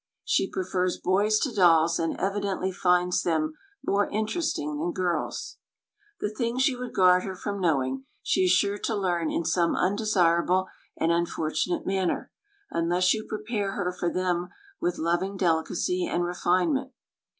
She prefers boys to dolls, and evidently finds them more interesting than girls. The things you would guard her from knowing, she is sure to learn in some undesirable and unfortunate manner, unless you prepare her for them with loving delicacy and refinement.